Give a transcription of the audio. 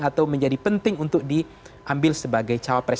atau menjadi penting untuk diambil sebagai cawapres